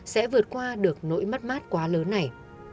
sẽ vượt qua được nỗi mất mát quá lớn này